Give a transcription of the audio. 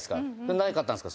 なかったんですか？